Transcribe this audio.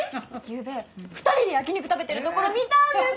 ゆうべ２人で焼き肉食べてるところ見たんです！